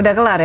udah kelar ya